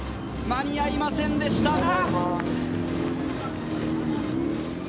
間に合いませんでした。